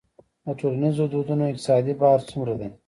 د ټولنیزو دودونو اقتصادي بار څومره دی؟